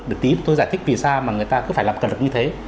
để tí tôi giải thích vì sao mà người ta cứ phải làm cần lực như thế